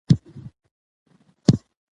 هغه په سختو حالاتو کې هم د خپل ولس تر څنګ ولاړ و.